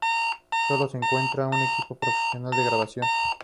Sólo se encuentra en equipos profesionales de grabación.